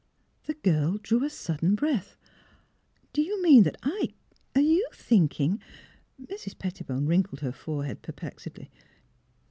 The girl drew a sudden breath. *' Do you mean that I — are you thinking " Mrs. Pettibone wrinkled her forehead per plexedly.